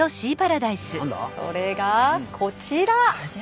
それがこちら。